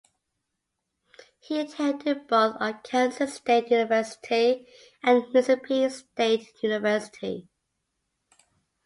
He attended both Arkansas State University and Mississippi State University.